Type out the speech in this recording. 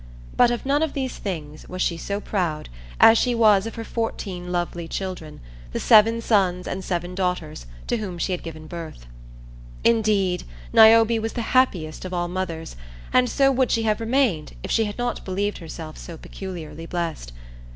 But of none of these things was she so proud as she was of her fourteen lovely children, the seven sons and seven daughters to whom she had given birth. Indeed, Niobe was the happiest of all mothers, and so would she have remained if she had not believed herself so peculiarly blessed.